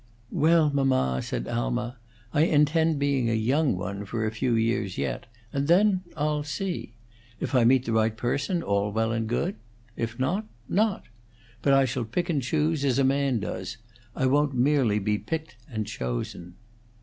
"Well, mamma," said Alma, "I intend being a young one for a few years yet; and then I'll see. If I meet the right person, all well and good; if not, not. But I shall pick and choose, as a man does; I won't merely be picked and chosen."